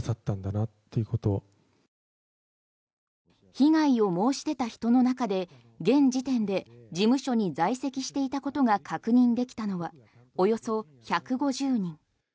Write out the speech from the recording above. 被害を申し出た人の中で現時点で事務所に在籍していたことが確認できたのはおよそ１５０人。